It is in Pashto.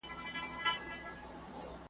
او له واکه یې وتلی وو هر غړی .